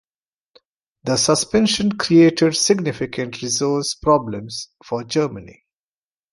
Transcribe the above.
The suspension created significant resource problems for Germany.